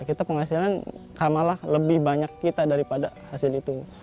kita penghasilan kamalah lebih banyak kita daripada hasil itu